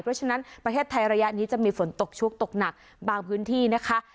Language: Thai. เพราะฉะนั้นประเทศไทยระยะนี้จะมีฝนตกชุกตกหนักบางพื้นที่นะคะ